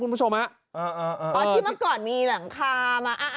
คุณผู้ชมฮะเออเออเอออ่อที่เมื่อก่อนมีหลังคามาอ่าอ่า